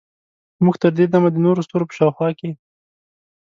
موږ تر دې دمه د نورو ستورو په شاوخوا کې